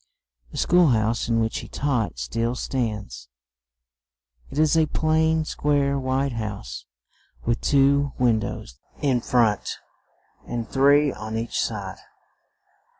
The school house in which he taught still stands; it is a plain, square, white house, with two win dows in front and three on each side.